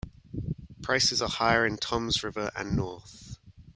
Prices are higher in Toms River and north.